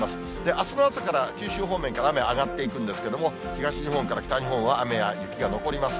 あすの朝から、九州方面から雨あがっていくんですけれども、東日本から北日本は、雨や雪が残ります。